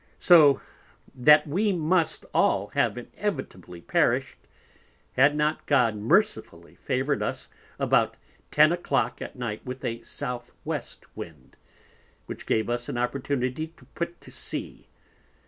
So that we must all have inevitably perished, had not God mercifully favoured us about 10 a Clock at night with a South West Wind, which gave us an opportunity to put to Sea.